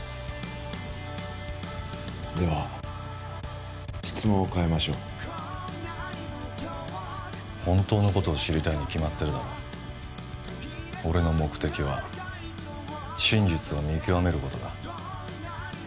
では質問を変えましょう本当のことを知りたいに決まってるだろ俺の目的は真実を見極めることだ